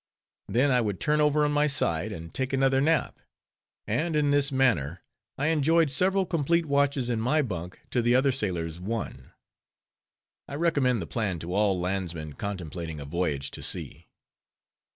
Then I would turn over on my side, and take another nap; and in this manner I enjoyed several complete watches in my bunk to the other sailor's one. I recommend the plan to all landsmen contemplating a voyage to sea.